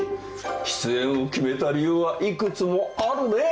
出演を決めた理由はいくつもあるね。